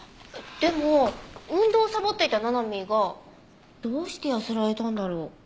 でも運動をサボっていたななみーがどうして痩せられたんだろう？